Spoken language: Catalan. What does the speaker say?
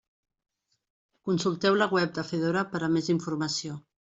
Consulteu la web de Fedora per a més informació.